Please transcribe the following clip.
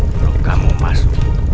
kalau kamu masuk